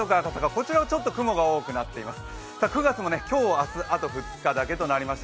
こちらはちょっと雲が多くなっています。